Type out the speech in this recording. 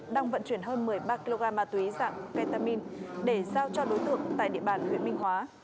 đang vận chuyển hơn một mươi ba kg ma túy dạng ketamin để giao cho đối tượng tại địa bàn huyện minh hóa